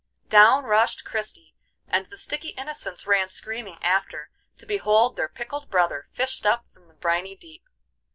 Down rushed Christie, and the sticky innocents ran screaming after, to behold their pickled brother fished up from the briny deep.